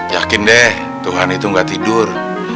yakin deh tuhan itu gak tidur